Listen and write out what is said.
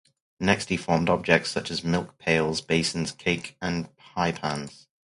Next, he formed objects such as milk pails, basins, cake and pie pans.